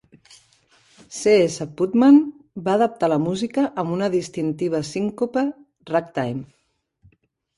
C. S. Putman va adaptar la música amb una distintiva síncope "ragtime".